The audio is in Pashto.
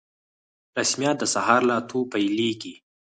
رسميات د سهار له اتو پیلیږي